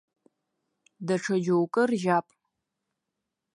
Даҽа џьоукы ржьап!